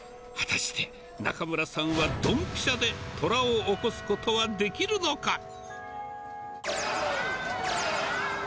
果たして、中村さんはどんぴしゃで、トラを起こすことはできるのか。